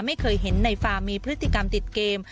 ไม่เคยเห็นในฟาร์มมีพฤติกรรมติดเกม